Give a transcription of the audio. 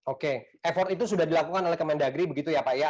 oke effort itu sudah dilakukan oleh kementerian negeri begitu ya pak